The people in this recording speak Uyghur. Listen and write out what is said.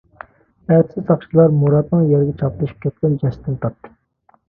ئەتىسى ساقچىلار مۇراتنىڭ يەرگە چاپلىشىپ كەتكەن جەسىتىنى تاپتى.